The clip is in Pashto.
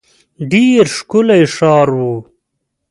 ډېر ښکلی ښار وو.